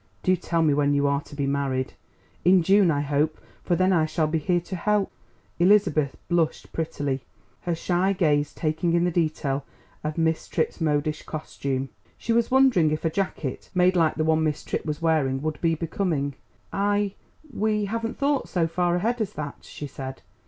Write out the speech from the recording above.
Do tell me when you are to be married? In June, I hope, for then I shall be here to help." Elizabeth blushed prettily, her shy gaze taking in the details of Miss Tripp's modish costume. She was wondering if a jacket made like the one Miss Tripp was wearing would be becoming. "I we haven't thought so far ahead as that," she said.